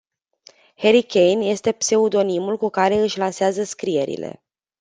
Harry Caine este pseudonimul cu care își lansează scrierile.